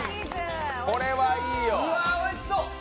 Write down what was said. これはいいよ。